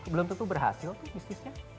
belum tentu berhasil tuh bisnisnya